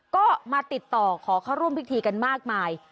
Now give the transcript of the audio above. ก็มาติดต่อขอเข้าร่วมพิธีกันมากมาย